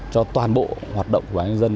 cho toàn bộ hoạt động của báo nhân dân